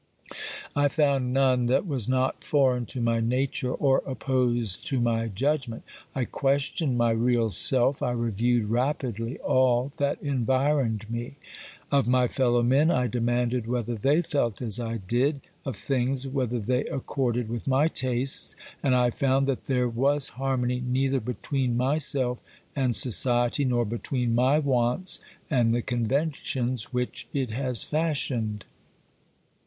I found none that was not foreign to my nature, or opposed to my judgment. I questioned my real self; I reviewed rapidly all that environed me; of my fellow men I demanded whether they felt as I did, of things whether they accorded with my tastes, and I found that there was harmony neither between myself and society, nor between my wants and the conventions which it has fashioned.